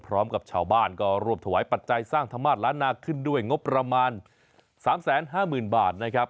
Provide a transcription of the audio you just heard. พร้อมกับชาวบ้านก็รวบถวายปัจจัยสร้างธรรมาสล้านนาขึ้นด้วยงบประมาณ๓๕๐๐๐บาทนะครับ